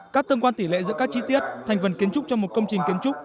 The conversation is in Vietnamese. các tương quan tỷ lệ giữa các chi tiết thành phần kiến trúc trong một công trình kiến trúc